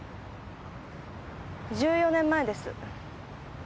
１４年前です。